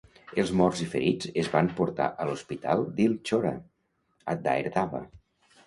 Els morts i ferits es van portar a l'hospital Dil-chora, a Dire Dawa.